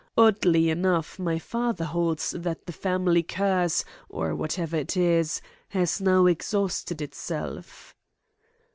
Oddly enough, my father holds that the family curse, or whatever it is, has now exhausted itself."